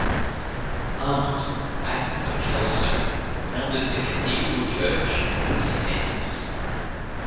Arnold, Abbot of Kelso, founded the cathedral church at Saint Andrews.